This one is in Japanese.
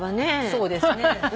そうですね。